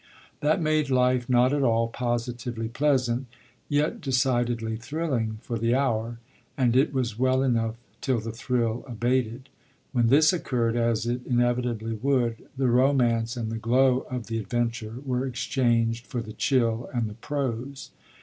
That made life not at all positively pleasant, yet decidedly thrilling, for the hour; and it was well enough till the thrill abated. When this occurred, as it inevitably would, the romance and the glow of the adventure were exchanged for the chill and the prose.